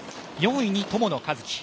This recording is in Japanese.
４位に友野一希。